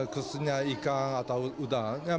khususnya ikan atau udang